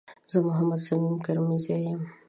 زه محمد صميم کريمزی یم